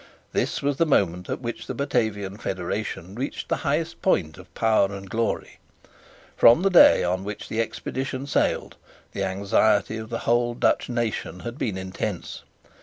This was the moment at which the Batavian federation reached the highest point of power and glory. From the day on which the expedition sailed, the anxiety of the whole Dutch nation had been intense.